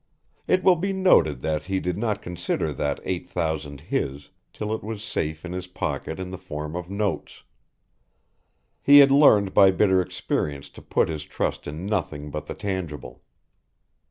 It will be noted that he did not consider that eight thousand his, till it was safe in his pocket in the form of notes he had learned by bitter experience to put his trust in nothing but the tangible.